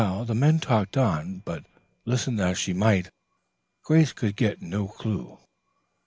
The men talked on, but, listen as she might, Grace could get no clue.